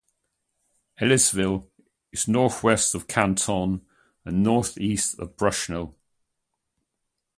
Ellisville is northwest of Canton and northeast of Bushnell.